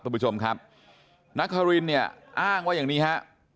คุณผู้ชมครับนักฮารินเนี่ยอ้างว่าอย่างนี้ฮะ